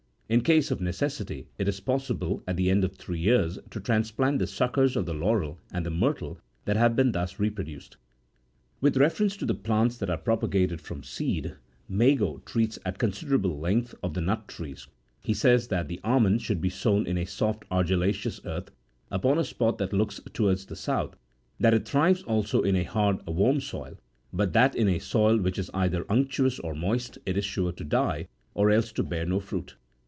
In case of necessity, it is possible at the end of three years to transplant the suckers of the laurel and the myrtle that have been thus re produced. With reference to the plants that are propagated from seed, Mago treats at considerable length of the nut trees — he says that the almond32 should be sown in a soft argillaceous earth, upon a spot that looks towards the south — that it thrives also in a hard, warm soil, but that in a soil which is either unctuous or moist, it is sure to die, or else to bear no fruit.